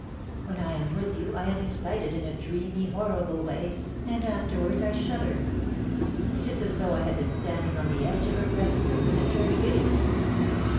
When I am with you I am excited in a dreamy, horrible way, and afterwards I shudder. It is as though I had been standing on the edge of a precipice and had turned giddy.